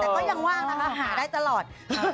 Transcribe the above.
แต่ก็ยังว่างนะคะหาได้ตลอด